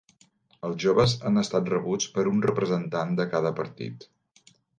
Els joves han estat rebuts per un representant de cada partit.